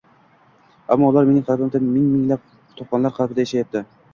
Ammo ular mening qalbimda, ming-minglab kitobxonlar qalbida yashayapti